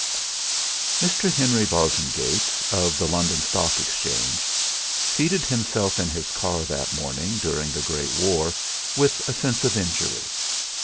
TOLSTOI. Mr. Henry Bosengate, of the London Stock Exchange, seated himself in his car that morning during the great war with a sense of injury.